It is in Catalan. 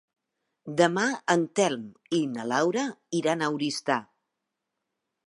Demà en Telm i na Laura iran a Oristà.